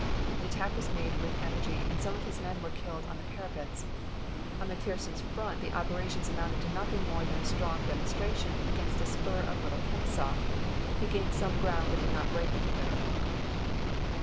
The attack was made with energy, and some of his men were killed on the parapets. On McPherson's front the operations amounted to nothing more than a strong demon stration against a spur of Little Kenesaw; he gained some ground but did not break the Con federate line.